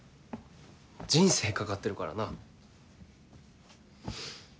人生懸かってるからな。